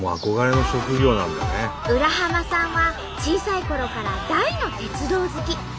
浦さんは小さいころから大の鉄道好き。